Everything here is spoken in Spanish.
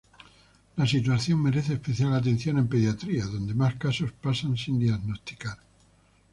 La situación merece especial atención en Pediatría, donde más casos pasan sin diagnosticar.